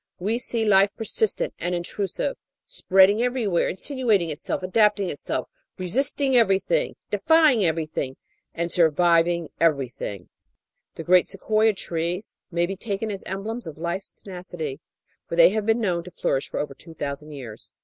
We see life persistent and intrusive spreading every where, insinuating itself, adapting itself, resisting everything, defying everything, surviving everything! The great Sequoia trees (see illustration, facing p. 604) may be taken as emblems of life's tenacity, for they have been known to flourish for over two thousand years.